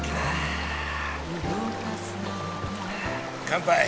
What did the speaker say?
乾杯。